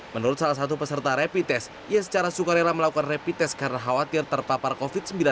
menurut salah satu peserta rapid test ia secara sukarela melakukan rapid test karena khawatir terpapar covid sembilan belas